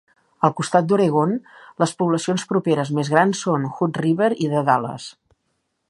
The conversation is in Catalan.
Al costat d'Oregon, les poblacions properes més grans són Hood River i The Dalles.